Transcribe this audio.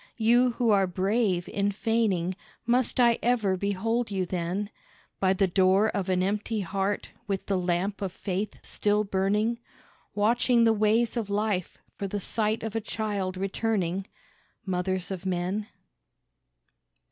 You who are brave in feigning must I ever behold you then By the door of an empty heart with the lamp of faith still burning, Watching the ways of life for the sight of a child returning, Mothers of Men?